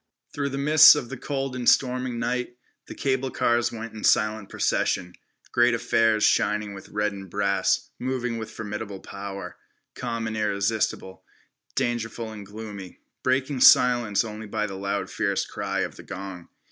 Through the mists of the cold and storming night, the cable cars went in silent procession, great affairs shining with red and brass, moving with formidable power, calm and irresistible, dangerful and gloomy, breaking silence only by the loud fierce cry of the gong.